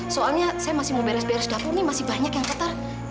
soalnya saya masih mau beres beres dapur nih masih banyak yang ketar